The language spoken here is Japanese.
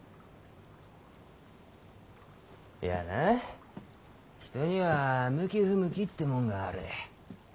いやな人には向き不向きってもんがある。